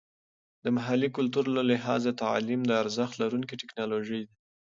د محلي کلتور له لحاظه تعلیم د ارزښت لرونکې ټیکنالوژي ده.